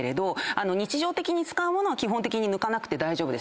日常的に使う物は基本的に抜かなくて大丈夫です。